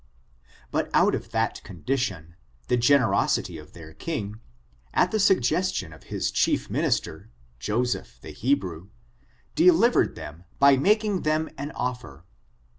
But out of that condition, the generosity of their «^k^l^^^^ 190 ORIGIN, CHARACTER, AND lung, at the suggestion of his chief minister, Joseph the Hebrew, delivered them by making them an of fer.